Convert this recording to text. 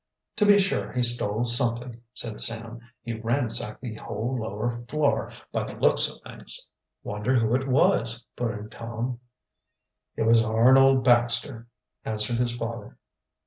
"To be sure he stole something," said Sam. "He ransacked the whole lower floor, by the looks of things." "Wonder who it was?" put in Tom. "It was Arnold Baxter," answered his father.